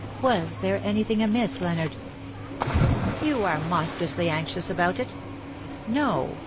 fVas there anything amiss, Leonard ?^^*■' You are monstrously anxious about it. No.